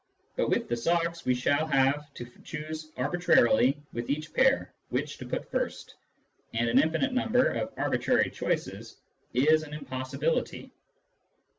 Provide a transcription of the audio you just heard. But with the socks we shall have to choose arbi trarily, with each pair, which to put first ; and an infinite number of arbitrary choices is an impossibility.